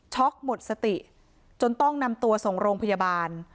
หมดสติจนต้องนำตัวส่งโรงพยาบาล